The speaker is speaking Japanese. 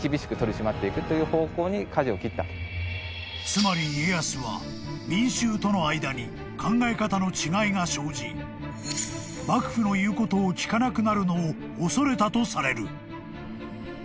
［つまり家康は民衆との間に考え方の違いが生じ幕府の言うことを聞かなくなるのを恐れたとされる］